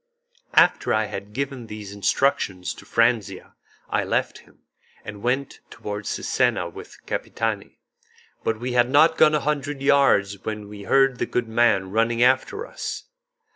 After I had given those instructions to Franzia, I left him, and went towards Cesena with Capitani, but we had not gone a hundred yards when we heard the good man running after us.